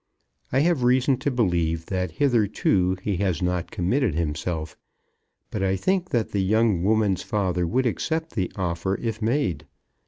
I have reason to believe that hitherto he has not committed himself; but I think that the young woman's father would accept the offer, if made.